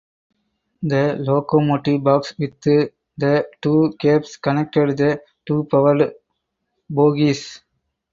The locomotive box with the two cabs connected the two powered bogies.